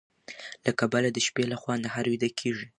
له کبله د شپې لخوا نهر ويده کيږي.